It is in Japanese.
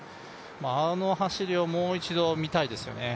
あの走りをもう一度見たいですね。